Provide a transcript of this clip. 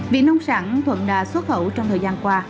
vì nông sản thuận đà xuất khẩu trong thời gian qua